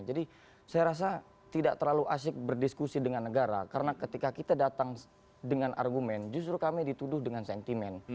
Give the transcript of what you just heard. jadi saya rasa tidak terlalu asyik berdiskusi dengan negara karena ketika kita datang dengan argument justru kami dituduh dengan sentimen